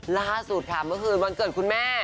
ล่าสุดค่ะเมื่อคืนวันเกิดคุณแม่